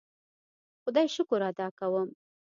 خدای شکر ادا کوم.